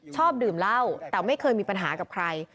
ชอบดื่มเหล้าแต่ไม่เคยมีปัญหากับใคร